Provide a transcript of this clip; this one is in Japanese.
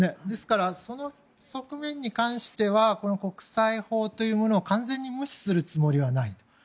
ですから、その側面に関してはこの国際法というものを完全に無視するつもりはないと。